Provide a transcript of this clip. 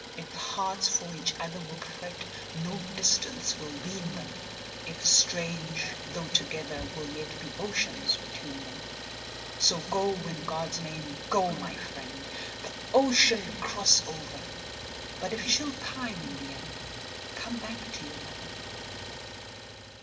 If hearts for each other will fret, No distance will wean them! If strange, though together, will yet Be oceans between them. So go, in God's name, go, my friend, The ocean cross over; But if you should pine in the end— Come back to your lover.